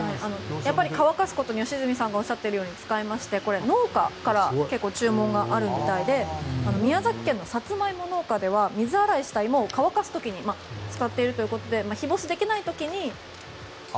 やっぱり乾かすことに使いましてこれ、農家から結構注文があるみたいで宮崎県のサツマイモ農家では水洗いした芋を乾かす時に使っているということで日干しできな時に芋を。